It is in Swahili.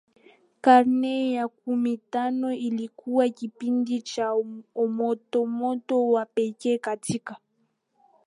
Karne ya kumi na tano ilikuwa kipindi cha umotomoto wa pekee katika